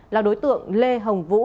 là đối tượng lê hồng vũ